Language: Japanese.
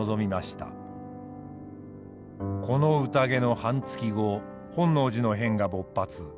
この宴の半月後本能寺の変が勃発。